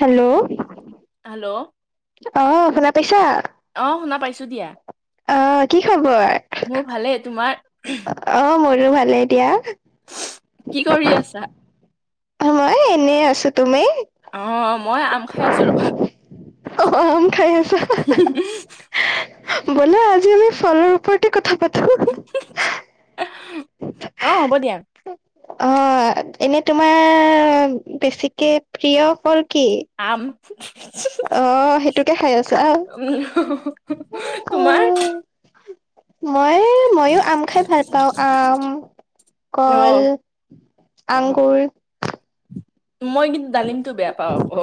Hello hello অ শুনা পাইছা অ শুনা পাইছো দিয়া অ কি খবৰ মোৰ ভালে তোমাৰ অ মোৰো ভালে দিয়া কি কৰি আছা। মই এনেই আছো তুমি অ মই আম খাই আছো ৰবা। অ আম খাই আছা বোলা আজি আমি ফলৰ ওপৰতে কথা পাতো। অ হ'ব দিয়া অ এনে তোমাৰ বেছিকে প্ৰিয় হল কি। অ আম সেইটোকে খাই আছা উ তোমাৰ উ মই ময়ো আম খাই ভাল পাওঁ আম অ কল। অ আংঙুৰ মই কিন্তু ডালিমতটো বেয়া পাওঁ আকৌ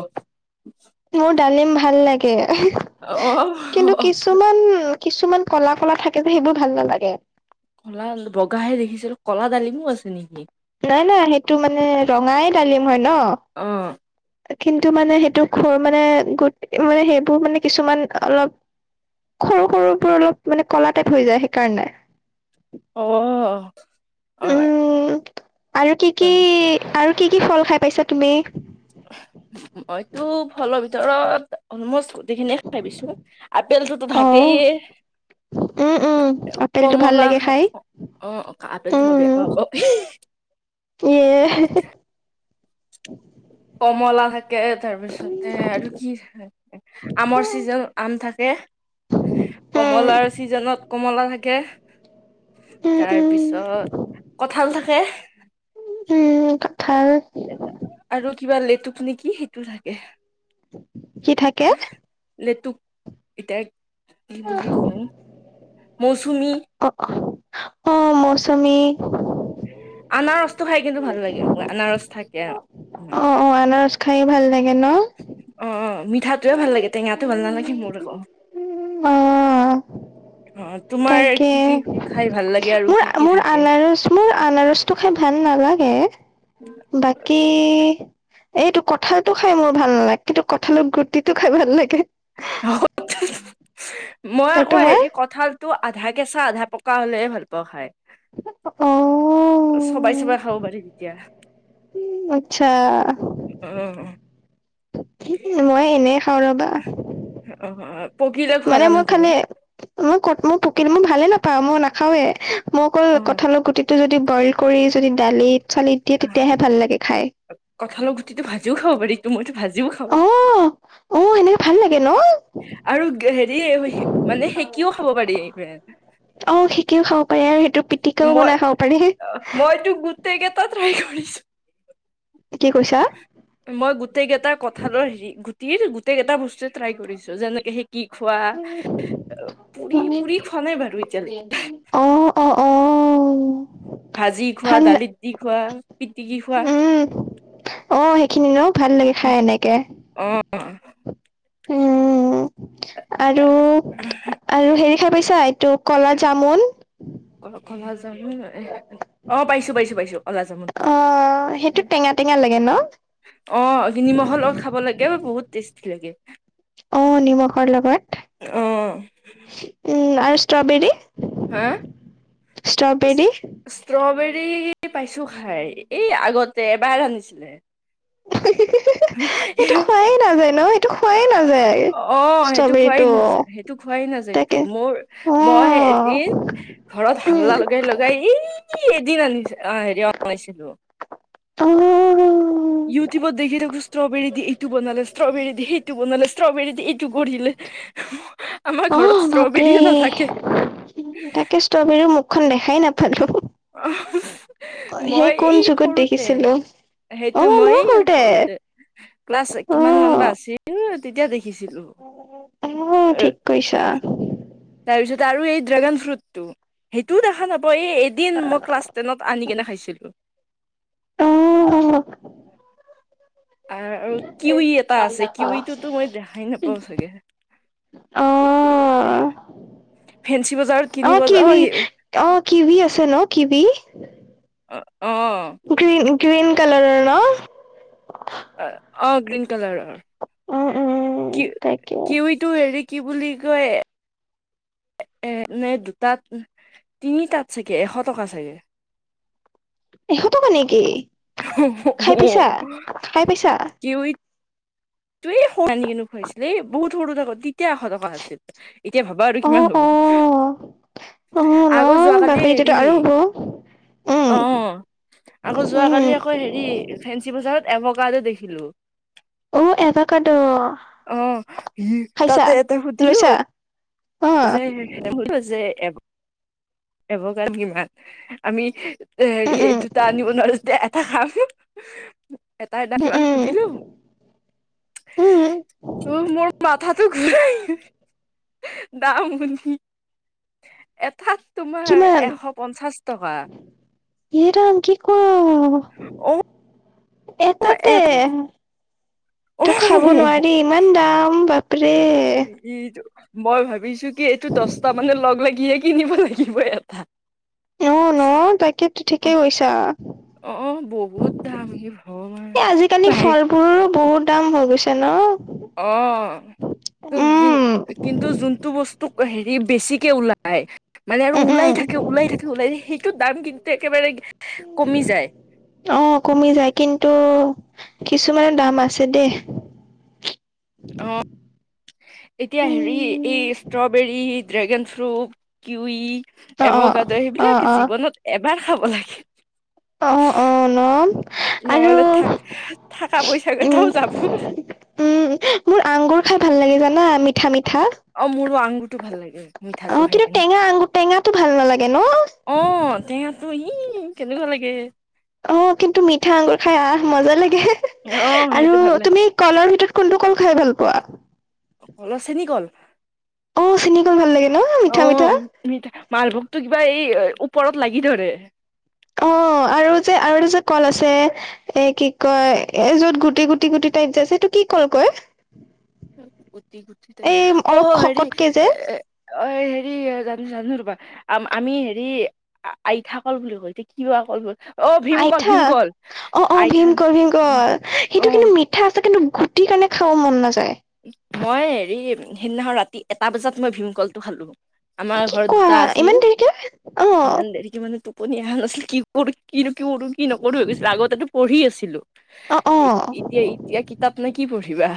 মোৰ ডালিম ভাল লাগে অ কিন্তু অ, কিছুমান কিছুমান কলা কলা থাকে যে সেইবোৰ ভাল নালাগে। কলা বগাহে দেখিছিলো কলা ডালিমো আছে নেকি। নাই নাই সেইটো মানে ৰঙাই ডালিম হয় ন অ কিন্তু মানে সেইটো খৰ মানে গো মানে সেইবোৰ মানে কিছুমান অলপ সৰু সৰুবোৰ অলপ মানে ক'লা টাইপ হৈ যায় সেইকাৰণে অ অ উম আৰু কি অ, কি আৰু কি কি ফল খাই পাইছা তুমি মইতো ফলৰ ভিতৰত অলমষ্ট অলমস্ত গোটেই খিনিয়ে খাই পাইছোঁ আপুলটো অ তথাপি উম উম আপেলটো ভাল কমলা লাগে খ খাই অ আপেলটো মই বেয়া পাওঁ ক ই এ [inaudible] কমলা খাই তাকে তাৰ পিছতে আৰু কি আমৰ চিজন আম থাকে উম কমলাৰ চিজনত কমলা থাকে। উম তাৰ উম পিছত কঠাল থাকে। উমহু কঠাল- আৰু কিবা লেটুকো নেকি সেইটো থাকে। কি থাকে? লেতুক এতিয়া কি বুলি কওঁ? মৌচুমী- অ অ, অঁ মৌচমি। আনাৰসটো খাই কিন্তু ভাল লাগে। ময় আনাৰস থাকে ন। অঁ আনাৰস খাইয়ে ভাল লাগে ন। অঁ অঁ মিঠাটোয়ে ভাল লাগে টেঙাটো ভাল নালাগে মোৰ আক। অ', অঁ অ' তোমাৰ তাকে। কি কি খাই ভাল লাগে আৰু মোৰ কি কি মোৰ থাকে আনাৰস মোৰ আনাৰসটো খাই ভাল নালাগে- বাকী- এইটো কঁঠালটো খাই মোৰ ভাল নালাগ। কিন্তু, কঁঠালৰ গুটিটো খাই ভাল লাগে। অ হ মই আৰু আক তোমাৰ হেৰি কঠাল- টো আধা কেঁচা আধা পকা হ'লেহ ভাল পাওঁ খাই। অঁঅ' চবাই চবাই খাব পাৰি তেতিয়া। উম' আৎচ্ছা। অঁ অঁ। মই এনেই খাওঁ ৰবা। অহ অ' পকিলে খোৱা মানে তাৰমানে মই তুমি খালে মই কত মোৰ পুকিল মই ভালে নাপাওঁ মই নাখাওৱে। মই অকল অ', কঠালৰ গুটিটো যদি বইল কৰি যদি দালিত চালিত দিয়ে আহ তেতিয়াহে ভাল লাগে খাই। কঁঠালৰ গুটিটো ভাজিও খাব পাৰি তো মইতো ভাজিও খাওঁ। অ', অ সেনেকে ভাল লাগে ন। আৰু হেৰিয়ে হৈছে মানে সেকিও খাব পাৰি এইটোৱে। অঁ শিকিও খাব পাৰে আৰু সেইটো পিত- মই মই তো গোটেই গেইটা ট্ৰাই কৰিছো। কি কৈছা? মই গোটেইগেইটা কঁঠালৰ হে গুটিৰ গোটেই গেটা বস্তুৱে ট্ৰাই কৰিছো যেনেকে হেই- কি খোৱা পুৰি পুৰি খোৱা নাই বাৰু এতিয়ালৈকে। অঁ অ অ' ভাজি খোৱা ভাল দালিত দি খোৱা পিটিকি খোৱা। অঁ সেইখিনি ন ভাল লাগে খাই সেনেকে। অঁ অঁ' উম উম' আৰু- আৰু হেৰি খাই পাইছা, এইটো ক'লা জামুন। ক'লা যামুন এহ অঁ' পাইছোঁ পাইছোঁ পাইছোঁ ক'লা যামোন। অঁ সেইটো টেঙা টেঙা লাগে ন। অঁ নিমখ লগত খাব লাগে অও বহুত টেষ্টি লাগে। অঁ নিমখৰ লগত অ উম আৰু ষ্ট্ৰবেৰী? হাঁ! ষ্ট্ৰবেৰী ষ্ট্ৰবেৰী পাইছোঁ খাই এই আগতে এবাৰ আনিছিলে। হি হি হি। [inaudible] খোৱাই নাযায় ন, এইটো খোৱাই নাযায়। অ সেইটো খোৱাই ষ্ট্ৰবেৰীটো নাযায়, সেইটো খোৱাই নাযায়টো। তাকে মোৰ অ মই এদিন ঘৰত উম হাল্লা লগাই লগাই এই এদিন আনি হেৰি অনাইছিলো অহ ইউটিউবত দেখি থাকো ষ্ট্ৰবেৰী দি এইটো বনালে ষ্ট্ৰবৰী দি সেইটো বনালে ষ্ট্ৰবৰী দি। কৰিলে আমাৰ ঘৰত ষ্ট্ৰবেৰীয়ে নাথাকে। উম তাকে ষ্ট্ৰবেৰীৰ মুখখন দেখাই নাপালো। অ সেই মই কোন এই যুগত সৰুতে দেখিছিলো। সেইটো অ', মই মইও এই সৰুতে ক্লাছ কিমান মান অ', বা আছিল এই তেতিয়া দেখিছিলো। অ ঠিক কৈছা। তাৰপিছত আৰু এই ড্ৰেগন ফ্ৰুটটো সেইটোও দেখা নাপাওঁ এই এদিন অ', মই ক্লাছ টেনত আনি কিনে খাইছিলো। আৰু আৰু কিউই এটা আছে কিউইটোতো মই দেখাই নাপাওঁ চাগে। এ অ', ফেঞ্চি বজাৰত কিনিব যাওঁ অঁ কিউই আছে ন কিউই। অ অঁ। গ্ৰীন গ্ৰীন কালাৰৰ ন? অ গ্ৰীন কালাৰ, উম, উম, কি তাকে। কিউই টো হেৰি কি বুলি কয় এ নে দুটাত তিনি তাত চাগে এশ টকা চাগে। এশটকা নেকি খাই পাইছা, খাই পাইছা? কিউই এই সৰুত আনি কিনে খুৱাইছিলে বহুত সৰু থাকোতে তেতিয়া এশ ট কা আছিল, এতিয়া ভাবা আৰু অ', কিমান হব। অ'। অ ন আগৰ যোৱাকালি বাপৰে এতিয়াতো হেৰি আৰু হ'ব উম অঁ আকৌ উম যোৱকালি আকৌ হেৰি ফেঞ্চি বজাৰত এভাকাদ' দেখিলো। অ এভাকাদ'। অ খাইছা তাতে এটা সুধিলো। লৈছা অ যে সুধিলো যে এভকাদ কিমান আমি উম হেৰি উম দুটা আনিব নোৱাৰো যেটিয়া এটা খাম। এটাৰ দাম উম কিমান উম সুধিলো। উম ত মোৰ মাথাতো ঘূৰাই গল দাম শুনি, এটাত তোমাৰ এশ পঞ্চাশ টকা। এৰাম কি কোৱা, অ এটাতে? এ এইতো খাব অ নোৱাৰি ইমান দাম বাপৰে। এইটো মই ভাবিছো কি এইটো দচটা মানে লগ লাগিহে কিনিব লাগিব এটা। অ ন তাকেটো অ', ঠিকেই কৈছা। অ বহুত দাম হে ভগৱান, এই বাহিৰত ফলৰো বহুত দাম হৈ গৈছে ন? অ, উম কিন্তু যোনটো বস্তু হেৰি বেছিকে ও লাই মানে আৰু উম ওলাই উম থাকে ওলাই থাকে ওলাই থাকে সেইটো দাম কিন্তু একেবাৰে উম কমি যায় অঁ কমি যায় কিন্তু, কিছুমানৰ দাম আছে দেই। অ এতিয়া অ', হেৰি এই ষ্ট্ৰবেৰী, ড্ৰেগান ফ্ৰুট কিৱি, অ', এভকাড সেইবিলাক অ', জীৱনত এবাৰ খাব লাগে। অ অ নম আৰু নহ'লে থাক থাকা পইচা কেইটাও উম। যাব। উম, মোৰ আংগুৰ খাই ভাল লাগে জানা, মি ঠা মিঠা, অ মোৰো আঙুৰটো ভাল লাগে মিঠাটো খাই কিন্তু কেনে টেঙা আঙুৰ টেঙাটো ভাল নালাগে ন? অঁ, টেঙাটো ই কেনেকুৱা লাগে। অ কিন্তু মিঠা আঙুৰ খাই আহ মজা লাগে। অ সেইটো আৰু ভাল লাগে তুমি কলৰ ভিতৰত কোনটো কল খাই ভাল পোৱা? কল চেনি কল। অ চিনি কল ভাল লাগে ন অ মিঠা-মিঠা। মিঠা, মালভোগতো কিবা এই ওপৰত লাগি ধৰে। অ আৰু যে আৰু যে কল আছে এ কি কয়, এ যত গুটি গুটি গুটি টাইপ যে আছে এইটো কি কল কয়? গুটি গুটি এই [unintelligible] অ অলপ হেৰি শকতকে এ যে অই হেৰি জানো জানো ৰবা, আম আমি হেৰি আ আইথাকল বুলি কলতে কিয় [unintelligible] আইঠা, অ অ ভীমকল ভীমকল অ অ সেইটো কিন্তু মি ঠা আছে কিন্তু গুটি কাৰনে খাব মন নাযায়। মই হেৰি সেইদিনাখন ৰাতি এটা বজাত মই ভীমকলটো খালো। আমাৰ কি ঘৰত কোৱা দুটা ইমান আছিল, দেৰিকে অ ইমান দেৰিকে মানে তোক [unintelligible] কি কৰো কিনো কি কৰো কি নকৰো ভাবিছিলো আগতেটো পঢ়ি আছিলো অ অ এ ইতিয়া ই তিয়া কিতাপ নে কি পঢ়িবা?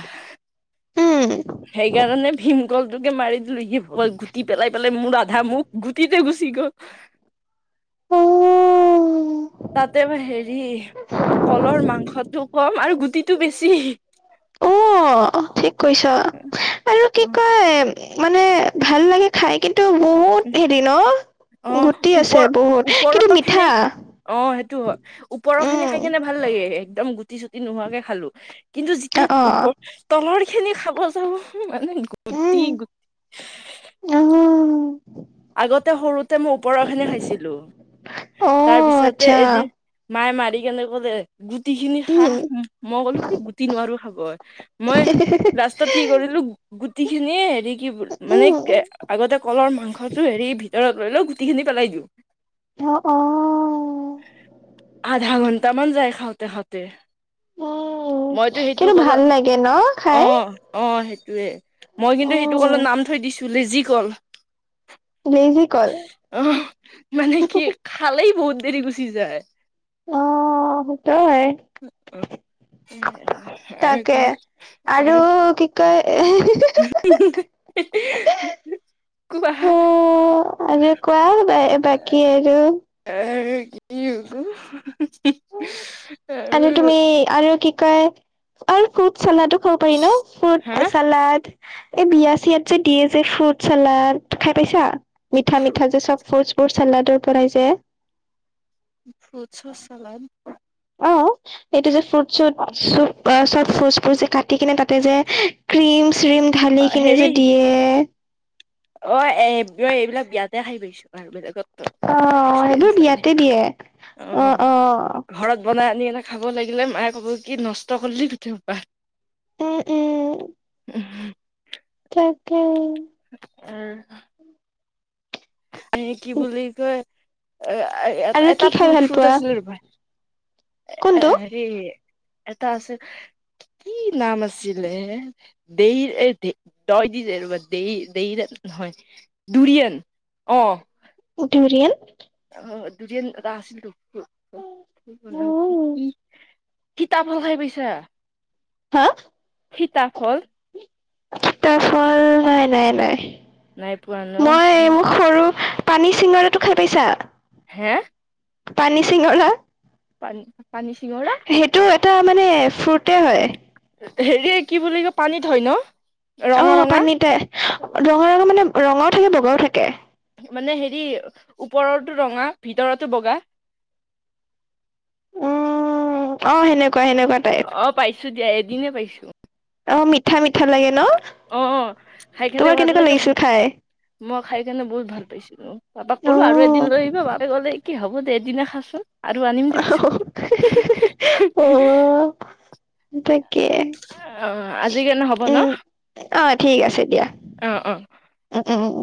উম। সেইকাৰণে ভীমকলটোকে মাৰি দিলো কি কল গুটি পেলাই পেলাই মোৰ আধা মুখ গুটিতে গুচি গ'ল। তাতে মই হেৰি, কলৰ মাংসটো কম আৰু গুটিটো বেছি। অ অ ঠিক কৈছ আৰু কি অ কয় মানে ভাল লাগে খাই কিন টো বহুত হেৰি ন? অ গুটি আছে ওপৰ বহুত কিন্তু মিঠা ওপৰৰখিনি, অ সেইটো হ ওপৰৰখিনি উম খাইকিনে ভা ভাল লাগে, একদম গুটি চুটি নোহোৱাকে খালো কিন্তু অ যেতিয়া অ ওপৰ তলৰখিনি খাব যাব মানে উম গুটি গু [unintelligible] আগতে সৰুতে মই ওপৰৰখিনি খাইছিলো অ তাৰ পিছতে আচ্ছা এদিন মায়ে মাৰি কেনে কলে, গুটিখিনি খা, উম ম মই কলো কি গুটি নোৱাৰো খাব। মই লাষ্টত কি কৰিলো গুটিখিনিয়ে হেৰি কি মানে উম কে আগতে কলৰ মাংস টো হেৰি ভিতৰত লৈ লও গুটিখিনি পেলাই দিওঁ। অ অ। আধাঘণ্টামান যায় খাওঁতে খাওঁতে। উম, মইতো সেইটো কিন্তু ভাল কলৰ লাগে ন খাই? অহ। অ সেইটোয়ে, মই কিন্তু সেইটো উম, কলত নাম থৈ দিছো লিজি কল। লেজি কল অহ মানে কি খালেই বহুত দেৰি গুচি যায়। অ সেইটো হয়। অহ আৰু তাকে। কি আৰু [unintelligible] কোৱা অ আৰু কোৱা বাকী আৰু? এই কি হব আৰু তুমি আৰু কি কয় আৰু ফ্ৰুইত চালডো খাব পাৰি ন হা ফ্ৰুইট চালড। এই বিয়া চিয়াত যে দিয়ে যে ফ্ৰুইট চালাড, খাই পাইছা? মিঠা মিঠা যে চব ফ্ৰুইতবোৰ চালাডৰ বনাই যে। ফ্ৰুটছৰ চালাদ? অঁ। এইটো যে ফ্ৰুট চুট চ ফ্ৰুট ফুট যে কাটি কিনে তাতে যে ক্ৰীম চ্ৰীম ঢালিখিনি হেৰি যে দিয়ে। অ এই এইবিলাক বিয়াতে খাই পাইছো আৰু বলেগত। অঁ এইবোৰ বিয়াতে দিয়ে অ অঁ অঁ। ঘৰত বনাই আনি এনে খাব লাগিলে মায়ে ক'ব কি নষ্ট কৰিলি গুতেইহুপা। উম উম। উম তাকে। উম এ কি বুলি কয় এ আৰু এটা কি খাই ভাল ফ্রুইত পোৱা আছিলে ৰবা এ কোনটো এ এটা আছে কি নাম আছিলে দে এই দয় দি ৰবা দে নহয় দুৰিয়ান অঁ। দুৰিয়ান? অ দুৰিয়ান এটা আছিল তো কি কি সিতাফল খাই পাইছা? হা? সীতাফল সিতা ফল, নাই নাই নাই। নাই পোৱা ন মই মোক সৰু পানী চিঙৰাটো খাই পাইছা? হে? পানী চিঙৰা। পানী পানী চিঙৰা? সেইটো এটা মানে ফ্ৰুইটছে হয়। হেৰি কি বুলি কয় পানীত হয় ন? ৰঙা অঁ ৰঙা পানীতে ৰঙা ৰঙা মানে ৰঙাও থাকে, বগাও থাকে। মানে হেৰি ওপৰতো ৰঙা ভিতৰতো বগা। উম অ সেনেকুৱা সেনেকুৱা। টাইপ অ পাইছো দিয়া এদিনে পাইছো। অ মিঠা মিঠা লাগে। ন অঁ অঁ খাই কিনে তোমাৰ ভাল কেনেকুৱা লাগে। লাগিছিল খাই মই খাই কাৰণে বহুত ভাল পাইছিলো, পাপাক অ ক'লো আৰু এদিন লৈ আহিব পাপাই ক'লে কি হ'ব দে এদিনে খাচোন। আৰু আনিম দে পিছত। অ তাকে। অঁ আজি কাৰণে হব ন। উম অ ঠিক আছে দিয়া অঁ অঁ। উম উম উম।